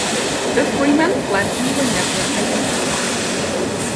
The three men fled and were never identified.